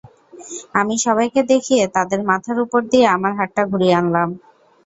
আমি সবাইকে দেখিয়ে তাদের মাথার ওপর দিয়ে আমার হাতটা ঘুরিয়ে আনলাম।